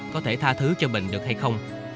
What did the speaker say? có thể tha thứ cho bình được hay không